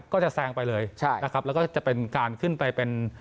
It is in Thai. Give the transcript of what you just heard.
ก็จะแซงไปเลยใช่นะครับแล้วก็จะเป็นการขึ้นไปเป็น